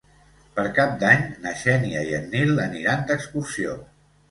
Per Cap d'Any na Xènia i en Nil aniran d'excursió.